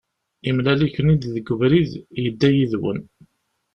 Yemlal-iken-id deg ubrid, yedda yid-wen.